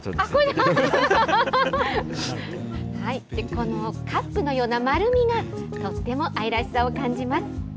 このカップのような丸みがとっても愛らしさを感じます。